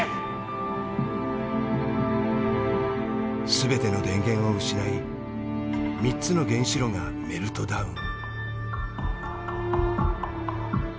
全ての電源を失い３つの原子炉がメルトダウン。